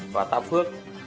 và tam phước